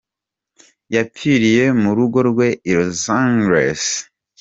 Yapfiriye mu rugo rwe i Los Angeles.